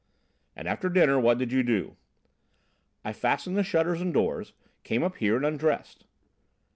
"And after dinner, what did you do?" "I fastened the shutters and doors, came up here and undressed."